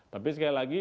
tapi sekali lagi